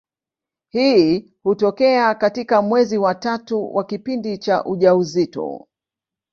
Hii hutokea katika mwezi wa tatu wa kipindi cha ujauzito.